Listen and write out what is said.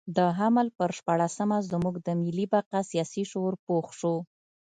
د حمل پر شپاړلسمه زموږ د ملي بقا سیاسي شعور پوخ شو.